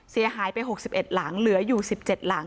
เสียหายไป๖๑หลังเหลืออยู่๑๗หลัง